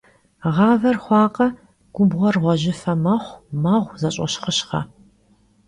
Ğaver xhuakhe, gubğuer ğuejıfe mexhu, meğu, zeş'oşxhışxhe.